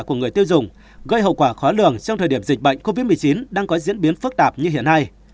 của người tiêu dùng gây hậu quả khó lường trong thời điểm dịch bệnh covid một mươi chín đang có diễn biến phức tạp như hiện nay